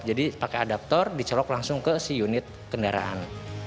jadi pakai adapter dicelok langsung ke si unit kendaraan